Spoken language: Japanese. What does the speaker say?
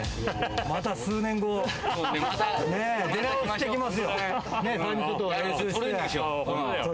また数年後出直してきます。